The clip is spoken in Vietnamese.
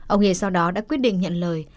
ông hiển sau đó đã quyết định nhận lời